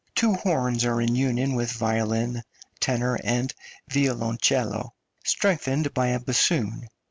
two horns are in union with violin, tenor, and violoncello, strengthened by a bassoon.